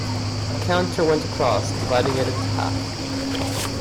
A counter went across, dividing it into half.